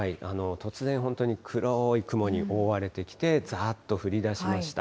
突然、本当に黒い雲に覆われてきて、ざーっと降りだしました。